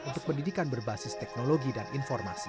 untuk pendidikan berbasis teknologi dan informasi